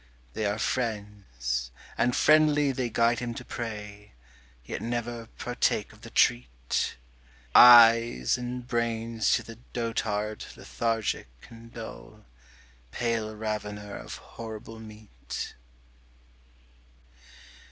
They are friends; and friendly they guide him to prey, Yet never partake of the treat Eyes and brains to the dotard lethargic and dull, Pale ravener of horrible meat.